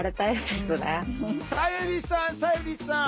さゆりさんさゆりさん。